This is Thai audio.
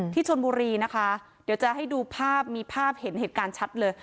ที่ชนบุรีนะคะเดี๋ยวจะให้ดูภาพมีภาพเห็นเหตุการณ์ชัดเลย